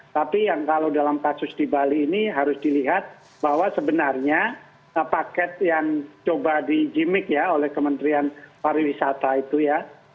tapi yang kalau dalam kasus di bali ini harus dilihat bahwa sebenarnya paket yang coba di jimik ya oleh kementerian pariwisata itu ya